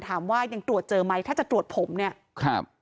ถามว่ายังตรวจเจอไหมถ้าจะตรวจผมเนี่ย